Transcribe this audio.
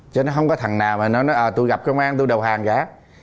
chứ nó không có thằng nào mà nó nói là tôi gặp công an tôi đầu hàng cả